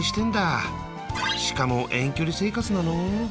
しかも遠距離生活なの？